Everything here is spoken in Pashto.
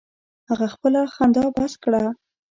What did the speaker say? هغه خپله خندا بس کړه.